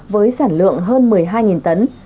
với sản lượng hơn một mươi hai tấn